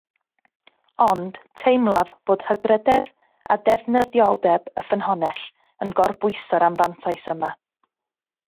Ond, teimlaf fod hygrededd a defnyddioldeb y ffynhonnell yn gorbwyso'r anfantais yma